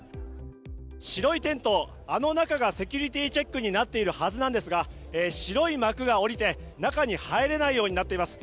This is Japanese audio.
白いテント、あの中がセキュリティーチェックになっているはずなんですが白い幕が下りて、中に入れないようになっています。